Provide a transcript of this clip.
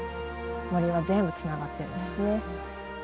森は全部つながってるんですね。